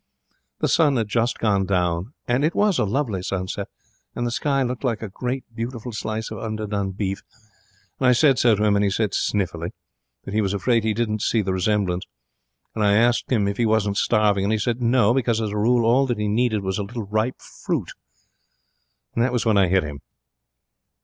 'The sun had just gone down; and it was a lovely sunset, and the sky looked like a great, beautiful slice of underdone beef; and I said so to him, and he said, sniffily, that he was afraid he didn't see the resemblance. And I asked him if he wasn't starving. And he said no, because as a rule all that he needed was a little ripe fruit. And that was when I hit him.'